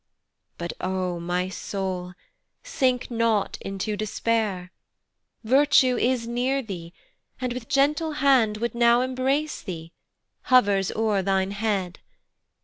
But, O my soul, sink not into despair, Virtue is near thee, and with gentle hand Would now embrace thee, hovers o'er thine head.